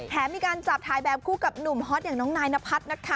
มีการจับถ่ายแบบคู่กับหนุ่มฮอตอย่างน้องนายนพัฒน์นะคะ